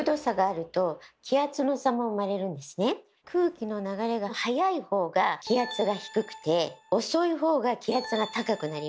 空気の流れが速いほうが気圧が低くて遅いほうが気圧が高くなります。